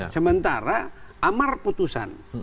sementara amar putusan